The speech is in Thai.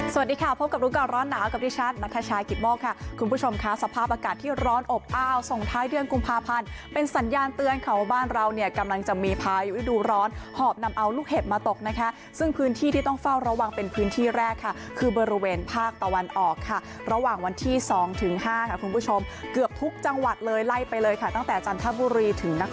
สวัสดีค่ะพบกับลูกก่อนร้อนหนาวกับดิชันนักทะชายกิตมกค่ะคุณผู้ชมค้าสภาพอากาศที่ร้อนอบอ้าวส่งท้ายเดือนกุมภาพันธ์เป็นสัญญาณเตือนของบ้านเราเนี่ยกำลังจะมีพายุดูร้อนหอบนำเอาลูกเห็บมาตกนะคะซึ่งพื้นที่ที่ต้องเฝ้าระวังเป็นพื้นที่แรกค่ะคือบริเวณภาคตะวันออกค่ะระหว่าง